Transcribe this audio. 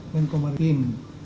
dan komar tim